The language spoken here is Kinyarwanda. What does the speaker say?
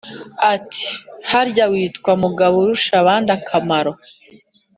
ati:"harya witwa mugaburushabandakamaro?